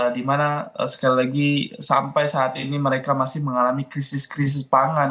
dimana sekali lagi sampai saat ini mereka masih mengalami krisis krisis pangan